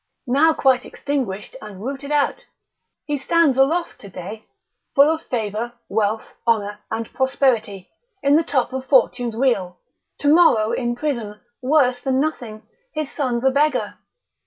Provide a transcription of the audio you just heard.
now quite extinguished and rooted out. He stands aloft today, full of favour, wealth, honour, and prosperity, in the top of fortune's wheel: tomorrow in prison, worse than nothing, his son's a beggar.